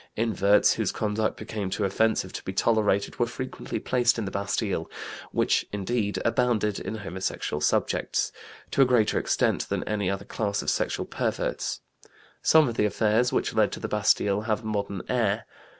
Inverts whose conduct became too offensive to be tolerated were frequently placed in the Bastille which, indeed "abounded in homosexual subjects," to a greater extent than any other class of sexual perverts. Some of the affairs which led to the Bastille have a modern air.